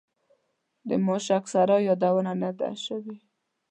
د ماشک سرای یادونه نه ده شوې.